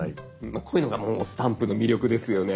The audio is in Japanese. こういうのがもうスタンプの魅力ですよね。